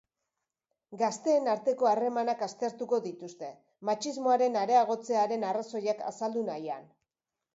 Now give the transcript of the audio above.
Gazteen arteko harremanak aztertuko dituzte matxismoaren areagotzearen arrazoiak azaldu nahian.